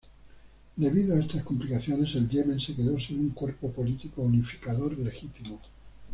Debido a estas complicaciones, el Yemen se quedó sin un cuerpo político unificador legítimo.